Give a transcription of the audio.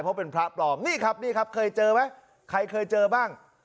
เพราะเป็นพระปลอมนี่ครับนี่ครับเคยเจอไหมใครเคยเจอบ้าง